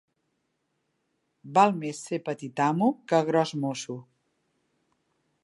Val més ser petit amo que gros mosso.